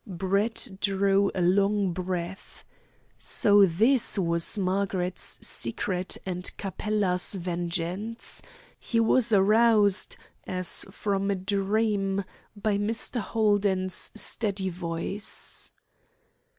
Brett drew a long breath. So this was Margaret's secret and Capella's vengeance! He was aroused, as from a dream, by Mr. Holden's steady voice.